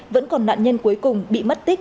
vẫn còn nạn nhân cuối cùng bị mất tích